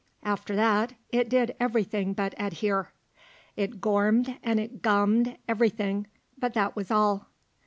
After that it did everything but adhere. It gourmed and it gummed everything, but that was all.